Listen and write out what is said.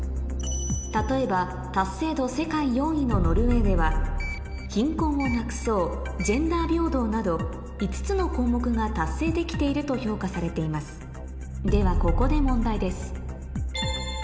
例えば達成度世界４位のノルウェーでは「貧困をなくそう」「ジェンダー平等」など５つの項目が達成できていると評価されていますではここで問題です